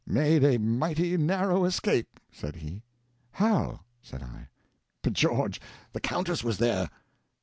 "Made a mighty narrow escape," said he. "How?" said I. "B' George, the Countess was there!"